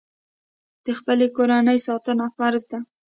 د خپلې کورنۍ ساتنه فرض ده.